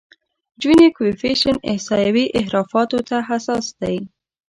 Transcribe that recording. جیني کویفشینټ احصایوي انحرافاتو ته حساس دی.